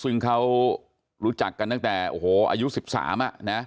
ซึ่งเขารู้จักกันตั้งแต่โอ้โหอายุ๑๓อ่ะนะ